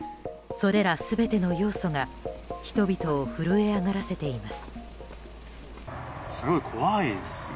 それら全ての要素が人々を震え上がらせています。